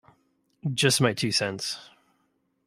Just my two cents.